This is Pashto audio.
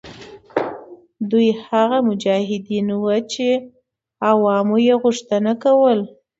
دوی هغه مجاهدین وه چې عوامو یې غوښتنه کوله.